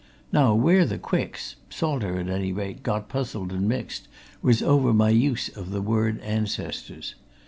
Now where the Quicks Salter, at any rate got puzzled and mixed was over my use of the word ancestors.